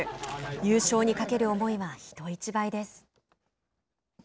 優勝に懸ける思いは人一倍です。